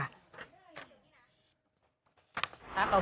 หลักตา